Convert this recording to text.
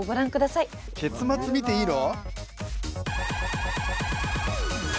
結末見ていいの？